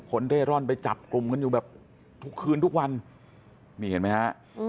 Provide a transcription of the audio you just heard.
เร่ร่อนไปจับกลุ่มกันอยู่แบบทุกคืนทุกวันนี่เห็นไหมฮะ